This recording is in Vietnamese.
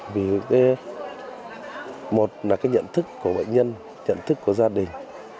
vì một là cái nhận thức của bệnh nhân nhận thức của gia đình